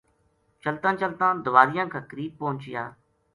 چلتاں چلتاں دواریاں کا قریب پہچیا